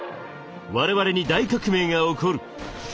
我々に大革命が起こる。